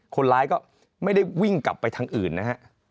คนร้ายก็ไม่ได้วิ่งกลับไปทางอื่นนะฮะ